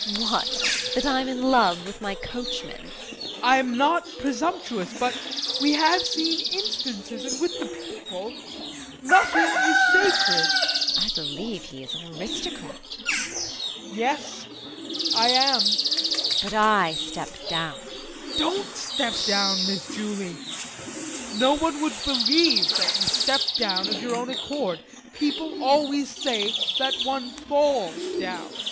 What? That I'm in love with my coachman? JEAN. I am not presumptuous, but we have seen instances and with the people nothing is sacred. JULIE. I believe he is an aristocrat! JEAN. Yes, I am. JULIE. But I step down JEAN. Don't step down, Miss Julie. Listen to me no one would believe that you stepped down of your own accord; people always say that one falls down.